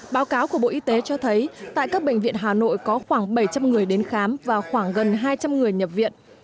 báo cáo của bộ y tế cho thấy tại các bệnh viện hà nội có khoảng bảy trăm linh người đến khám và khoảng gần hai trăm linh người nhập viện